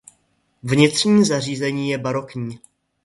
Vnitřní zařízení je barokní.